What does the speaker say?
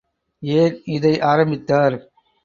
ஏன் இதை ஆரம்பித்தார்?